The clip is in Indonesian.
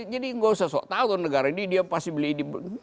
jadi gak usah sok tau tuh negara ini dia pasti beli ini beli